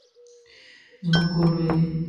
زموږ کور لوی دی